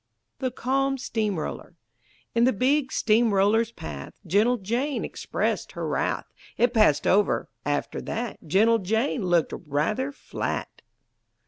THE CALM STEAM ROLLER In the big steam roller's path Gentle Jane expressed her wrath. It passed over. After that Gentle Jane looked rather flat.